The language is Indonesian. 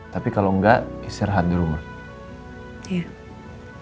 tapi kalau enggak istirahat dulu mas